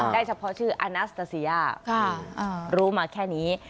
ได้เฉพาะชื่ออานาสตาเซียค่ะอ่ารู้มาแค่นี้